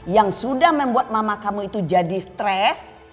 yang sudah membuat mama kamu itu jadi stres